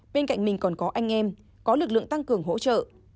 bên cạnh mình còn có anh em có lực lượng tăng cường hỗ trợ